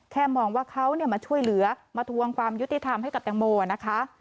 มองว่าเขามาช่วยเหลือมาทวงความยุติธรรมให้กับแตงโมนะคะ